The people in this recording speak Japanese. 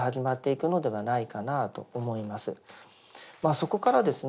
そこからですね